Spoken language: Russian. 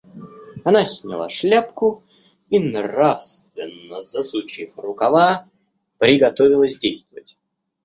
Она сняла шляпку и, нравственно засучив рукава, приготовилась действовать.